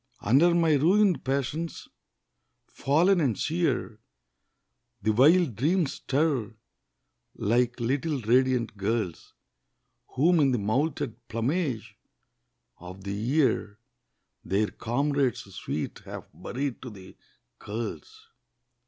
Under my ruined passions, fallen and sere, The wild dreams stir, like little radiant girls, Whom in the moulted plumage of the year Their comrades sweet have buried to the curls.